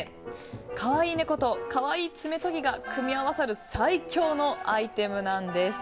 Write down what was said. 可愛い猫と可愛い爪とぎが組み合わさる最強のアイテムなんです。